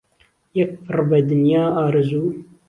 یهک پڕ به دنیا ئارهزوو